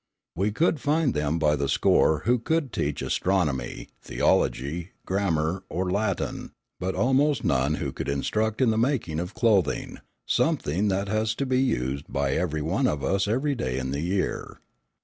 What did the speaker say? We could find them by the score who could teach astronomy, theology, grammar, or Latin, but almost none who could instruct in the making of clothing, something that has to be used by every one of us every day in the year.